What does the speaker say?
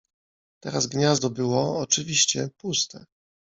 Teraz gniazdo było, oczywiście, puste.